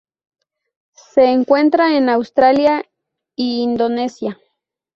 Se encuentra en Australia y Indonesia.